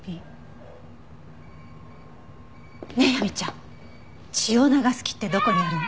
ねえ亜美ちゃん血を流す木ってどこにあるの？